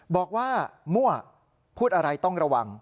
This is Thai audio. บอกว่ามั่วพูดอะไรต้องระวัง